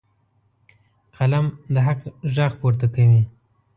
قلم د حق غږ پورته کوي.